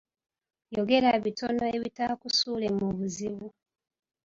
Yogera bitono ebitaakusuule mu buzibu.